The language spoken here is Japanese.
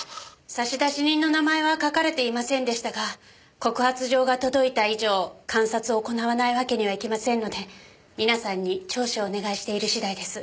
差出人の名前は書かれていませんでしたが告発状が届いた以上監察を行わないわけにはいきませんので皆さんに聴取をお願いしている次第です。